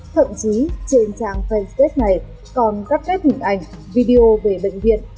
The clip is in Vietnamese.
thậm chí trên trang fanspace này còn các phép hình ảnh video về bệnh viện